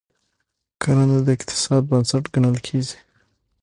کرنه د اقتصاد بنسټ ګڼل کیږي.